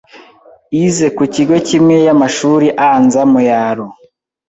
ize ku kigo kimwe y’amashuri anza mu yaro